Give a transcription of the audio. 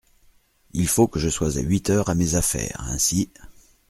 Il faut que je sois à huit heures à mes affaires, ainsi…